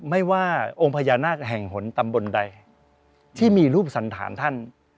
ไม่ว่าองค์พญานาคแห่งหนตำบลใดที่มีรูปสันฐานท่าน